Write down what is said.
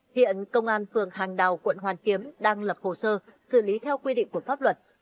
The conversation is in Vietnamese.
hiện công an phường hàng đào quận hoàn kiếm đang lập hồ sơ xử lý theo quy định của pháp luật